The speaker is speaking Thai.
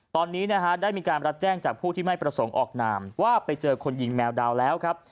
ตอนนี้นะฮะได้มีการรับแจ้งจากผู้ที่ไม่ประสงค์ออกนามว่าไปเจอคนยิงแมวดาวแล้วครับ